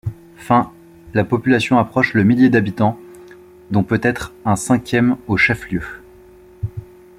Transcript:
Fin la population approche le millier d’habitants dont peut-être un cinquième au chef-lieu.